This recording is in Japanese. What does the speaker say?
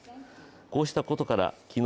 こうしたことから昨日、